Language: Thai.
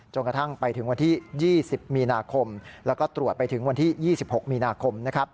กระทั่งไปถึงวันที่๒๐มีนาคมแล้วก็ตรวจไปถึงวันที่๒๖มีนาคม